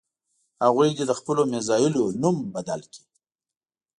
هغوی دې د خپلو میزایلونو نوم دې بدل کړي.